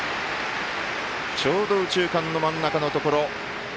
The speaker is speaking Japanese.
ちょうど右中間の真ん中のところ。